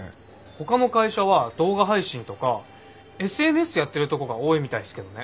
ほかの会社は動画配信とかＳＮＳやってるとこが多いみたいすけどね。